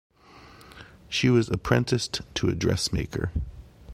She was apprenticed to a dressmaker.